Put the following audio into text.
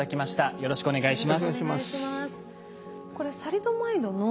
よろしくお願いします。